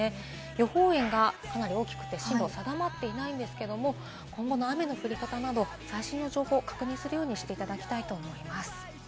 予報円がかなり大きくて進路、定まっていないんですけれども、今後の雨の降り方など最新の情報を確認するようにしていただきたいと思います。